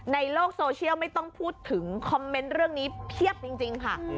ในโลกโซเชียลไม่ต้องพูดถึงคอมเมนต์เรื่องนี้เพียบจริงค่ะ